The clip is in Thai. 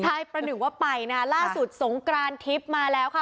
ใช่ประหนึ่งว่าไปนะล่าสุดสงกรานทิพย์มาแล้วค่ะ